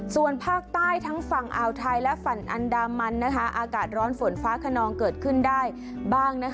ส่วนภาคใต้ทั้งฝั่งอ่าวไทยและฝั่งอันดามันอากาศร้อนฝนฟ้าขนองเกิดขึ้นได้บ้าง